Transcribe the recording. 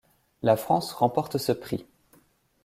La France remporte ce prix.